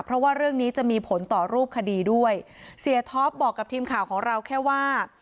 เพราะว่าเรื่องนี้จะมีผลต่อรูปคดีด้วยเสียท็อปบอกกับทีมข่าวของเราแค่ว่า